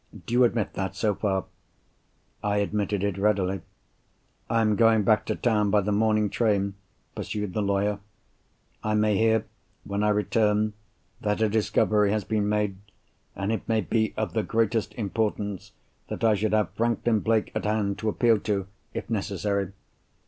Do you admit that, so far?" I admitted it readily. "I am going back to town by the morning train," pursued the lawyer. "I may hear, when I return, that a discovery has been made—and it may be of the greatest importance that I should have Franklin Blake at hand to appeal to, if necessary.